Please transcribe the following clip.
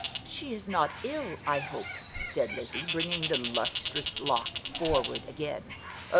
"She is not ill, I hope," said Lizzie, bringing the lustrous lock forward again.